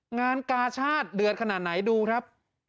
งานกาชาติเดือดขนาดไหนดูครับ